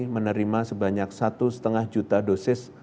menerima sebanyak satu lima juta dosis